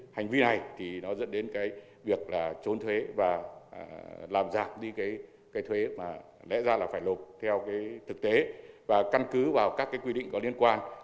hành vi này dẫn đến việc trốn thuế và làm giảm đi thuế mà lẽ ra phải lột theo thực tế và căn cứ vào các quy định có liên quan